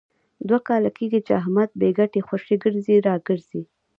دوه کاله کېږي، چې احمد بې ګټې خوشې ګرځي را ګرځي.